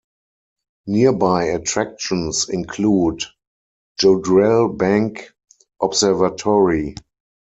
Nearby attractions include Jodrell Bank Observatory.